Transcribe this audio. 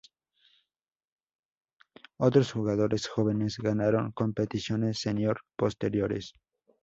Otros jugadores jóvenes ganaron competiciones senior posteriores.